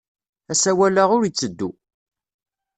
Asawal-a ur itteddu.